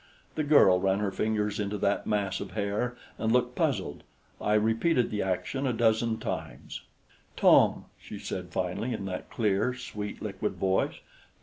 The girl ran her fingers into that mass of hair and looked puzzled. I repeated the action a dozen times. "Tom," she said finally in that clear, sweet, liquid voice.